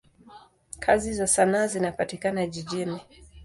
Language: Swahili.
Kazi za sanaa zinapatikana jijini.